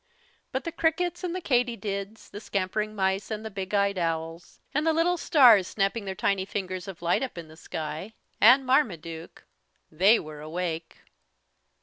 But the crickets, and the katydids, the scampering mice, and the big eyed owls, and the little stars, snapping their tiny fingers of light up in the sky, and Marmaduke they were awake.